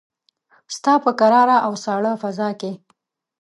ستا په کراره او ساړه فضاکې